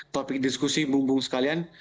topik diskusi bumbung sekalian